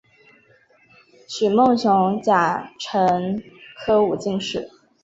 徐梦熊甲辰科武进士。